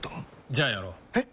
じゃあやろう。え？